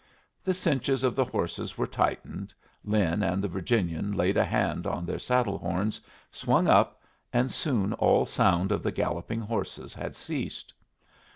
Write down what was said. The cinches of the horses were tightened, Lin and the Virginian laid a hand on their saddle horns, swung up, and soon all sound of the galloping horses had ceased.